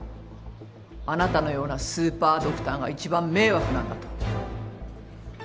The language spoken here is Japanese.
あなたのようなスーパードクターが一番迷惑なんだと。